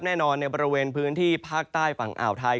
ในบริเวณพื้นที่ภาคใต้ฝั่งอ่าวไทย